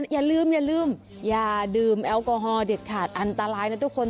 อย่าลืมยาดื่มแอลกอฮอล์เด็ดขาดอันตรายนะทุกคน